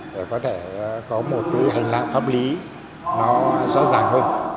để có thể có một hành lãng pháp lý nó rõ ràng hơn